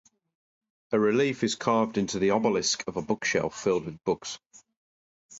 A relief is carved into the obelisk of a bookshelf filled with books.